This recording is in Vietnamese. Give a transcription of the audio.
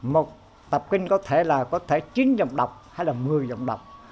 một tập kinh có thể là có thể chín dòng đọc hay là một mươi giọng đọc